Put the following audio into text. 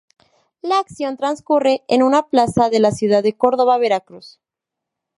La acción transcurre en una plaza de la ciudad de Córdoba, Veracruz.